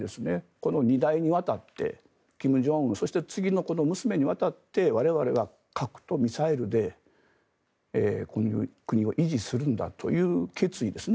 この２代にわたって金正恩そして次の娘にわたって我々が核とミサイルでこの国を維持するんだという決意ですね。